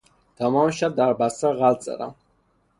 تمام شب در بستر غلت زدم.